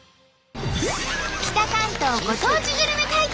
北関東ご当地グルメ対決